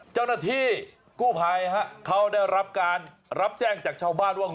เจ้าหน้าที่กู้ภัยเขาได้รับการรับแจ้งจากชาวบ้านว่า